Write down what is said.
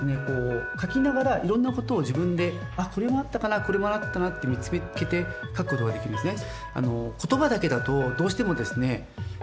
書きながらいろんなことを自分であっこれもあったかなこれもあったなって見つけて書くことができるんですね。